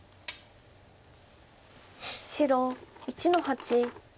白１の八。